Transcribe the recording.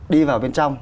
đi vào bên trong